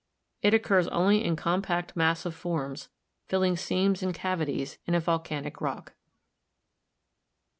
It occurs only in compact massive forms, filling seams and cavities in a volcanic rock.